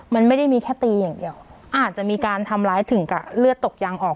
มันไม่ได้มีแค่ตีอย่างเดียวอาจจะมีการทำร้ายถึงกับเลือดตกยางออก